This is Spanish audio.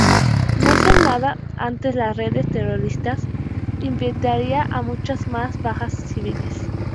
No hacer nada ante las redes terroristas, invitaría a muchas más bajas civiles".